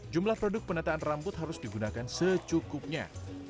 jumlah produk penataan rambut harus digunakan secukupnya